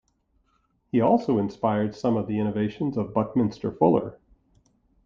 He also inspired some of the innovations of Buckminster Fuller.